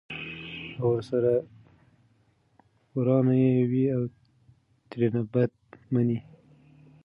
او ورسره ورانه یې وي او ترېنه بده مني!